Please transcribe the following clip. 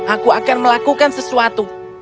aku akan melakukan sesuatu